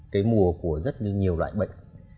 cái mùa của rất nhiều loại bệnh